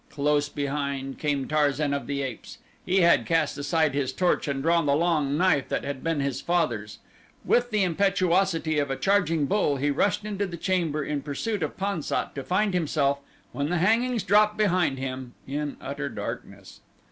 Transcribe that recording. Close behind came Tarzan of the Apes. He had cast aside his torch and drawn the long knife that had been his father's. With the impetuosity of a charging bull he rushed into the chamber in pursuit of Pan sat to find himself, when the hangings dropped behind him, in utter darkness.